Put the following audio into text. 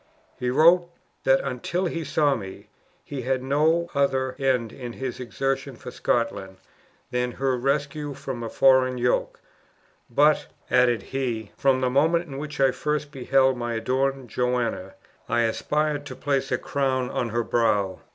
He wrote, that until he saw me, he had no other end in his exertions for Scotland than her rescue from a foreign yoke; 'but,' added he, 'from the moment in which I first beheld my adored Joanna, I aspired to place a crown on her brow!"